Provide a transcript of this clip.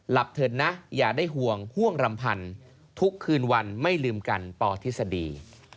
เถิดนะอย่าได้ห่วงห่วงรำพันธ์ทุกคืนวันไม่ลืมกันปทฤษฎี